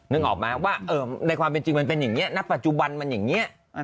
นึกออกไหมว่าในความเป็นจริงมันเป็นอย่างนี้ณปัจจุบันมันอย่างนี้